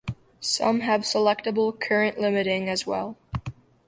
Some have selectable current limiting as well.